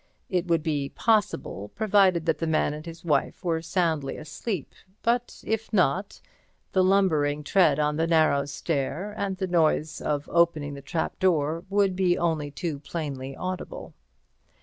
It would be possible, provided that the man and his wife were soundly asleep, but if not, the lumbering tread on the narrow stair and the noise of opening the trapdoor would be only too plainly audible.